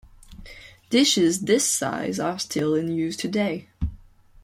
Dishes this size are still in use today.